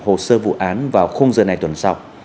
hồ sơ vụ án vào khung giờ này tuần sau